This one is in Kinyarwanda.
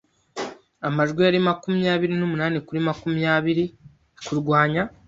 Amajwi yari makumyabiri n'umunani kuri makumyabiri kurwanya.